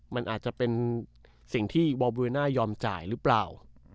มันอาจจะเป็นสิ่งที่วอลบลูน่ายอมจ่ายหรือเปล่า